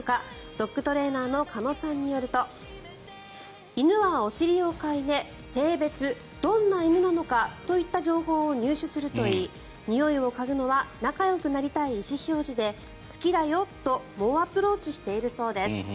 ドッグトレーナーの鹿野さんによると犬はお尻を嗅いで性別どんな犬なのかといった情報を入手するといいにおいを嗅ぐのは仲よくなりたい意思表示で好きだよと猛アプローチしているそうです。